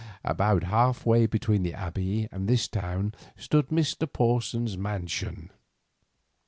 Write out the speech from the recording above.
About half way between the Abbey and this town stood Mr. Porson's mansion.